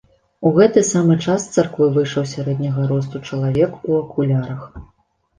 У гэты самы час з царквы выйшаў сярэдняга росту чалавек у акулярах.